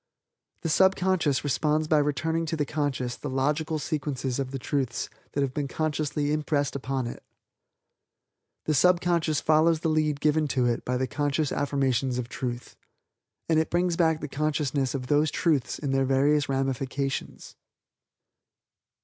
The subconscious responds by returning to the conscious the logical sequences of the Truths that have been consciously impressed upon it. The subconscious follows the lead given to it by the conscious affirmations of Truth, and it brings back the consciousness of those Truths in their various ramifications."